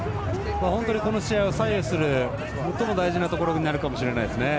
本当にこの試合を左右にする最も大事なところになるかもしれないですね。